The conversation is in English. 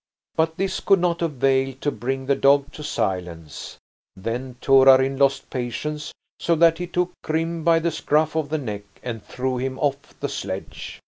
But this could not avail to bring the dog to silence. Then Torarin lost patience, so that he took Grim by the scruff of the neck and threw him off the sledge.